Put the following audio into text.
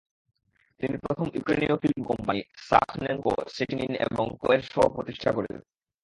তিনি প্রথম ইউক্রেনীয় ফিল্ম কোম্পানি, সাখনেনকো, শেটিনিন এবং কো-এর সহ-প্রতিষ্ঠা করেন।